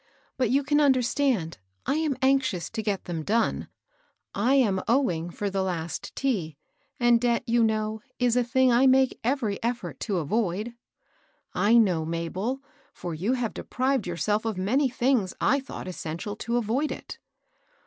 But you can understand, I am anxious to get them done. I am owing for the last tea; and debt, you know, is a thing I make every eflPort to avoid." " I know, Mabel, for you have deprived your self of many things I thought essential to avoid it."